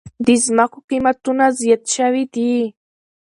د زمکو قيمتونه زیات شوي دي